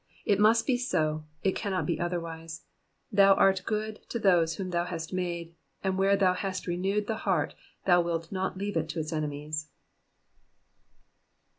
It must be so, it cannot be otherwise, thou art good to those whom thou hast made good ; and where thou hast renewed the heart thou wilt not leave it to its enemies.